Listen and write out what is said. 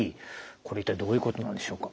これ一体どういうことなんでしょうか？